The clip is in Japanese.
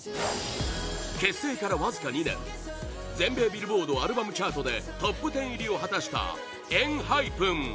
結成からわずか２年全米ビルボードアルバムチャートでトップ１０入りを果たしたＥＮＨＹＰＥＮ